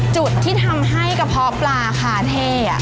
จุดที่ทำให้กระเพาะปลาคาเท่